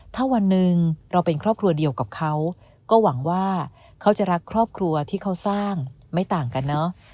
ถ้าวันหนึ่งเราเป็นครอบครัวเดียวกับเขาก็หวังว่าเขาจะรักครอบครัวที่เขาสร้างไม่ต่างกันเนอะ